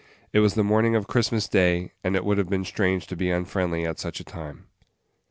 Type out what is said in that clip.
It was the morning of Christmas day, and it would have been strange to be unfriendly at such a time.